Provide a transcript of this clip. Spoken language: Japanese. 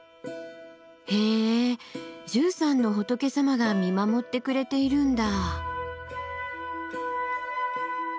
へえ１３の仏様が見守ってくれているんだ。